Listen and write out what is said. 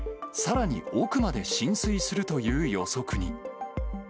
さらに奥まで浸水するという予測に。